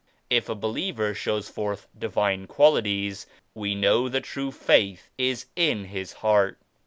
If a believer shows forth divine qualities we know the true Faith is in his heart.